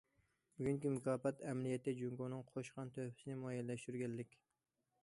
بۈگۈنكى بۇ مۇكاپات ئەمەلىيەتتە جۇڭگونىڭ قوشقان تۆھپىسىنى مۇئەييەنلەشتۈرگەنلىك.